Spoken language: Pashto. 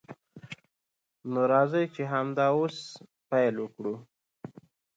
نو راځئ چې همدا اوس پیل وکړو.